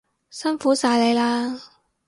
辛苦晒你喇